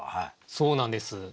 そうなんです。